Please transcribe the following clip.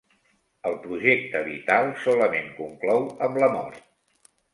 El projecte vital solament conclou amb la mort.